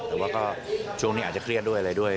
แต่ว่าก็ช่วงนี้อาจจะเครียดด้วยอะไรด้วย